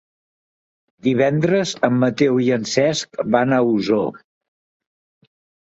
Divendres en Mateu i en Cesc van a Osor.